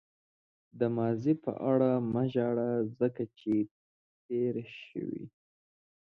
د ماضي په اړه مه ژاړه ځکه چې تېر شوی.